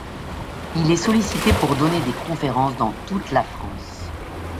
Il est sollicité pour donner des conférences dans toute la France.